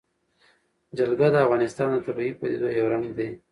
جلګه د افغانستان د طبیعي پدیدو یو رنګ دی.